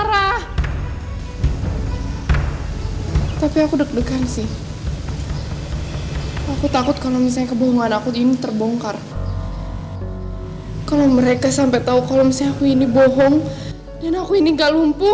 jadi aku harus menerima dia